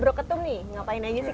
bro ketum nih ngapain aja sih